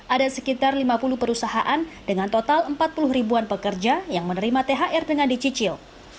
ada sekitar lima puluh perusahaan dengan total empat puluh ribuan pekerja yang menerima thr dengan dicicil